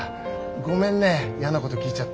ごめんねやなこと聞いちゃって。